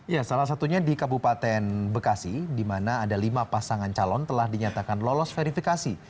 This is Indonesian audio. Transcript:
ya salah satunya di kabupaten bekasi di mana ada lima pasangan calon telah dinyatakan lolos verifikasi